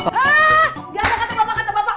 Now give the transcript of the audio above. gak ada kata bapak kata bapak